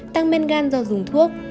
tăng men gan do dùng thuốc